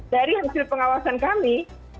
dari hasil pengawasan kami